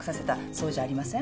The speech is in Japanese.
そうじゃありません？